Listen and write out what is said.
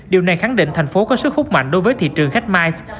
điều này khẳng định thành phố có sức hút mạnh đối với thị trường khách mice